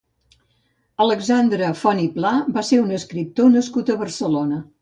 Alexandre Font i Pla va ser un escriptor nascut a Barcelona.